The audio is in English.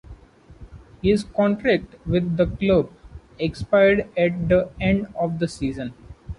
His contract with the club expired at the end of the season.